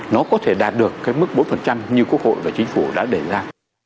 nó có thể đạt được cái mức bốn như quốc hội và chính phủ đã đề ra